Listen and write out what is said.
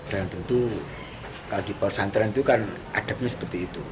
dan tentu kalau di pesantren itu kan adatnya seperti itu